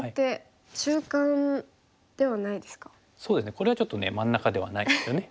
これはちょっとね真ん中ではないんですよね。